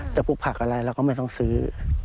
ปลูกผักอะไรเราก็ไม่ต้องซื้อ